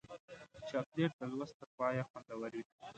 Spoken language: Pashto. چاکلېټ د لوست تر پایه خوندور وي.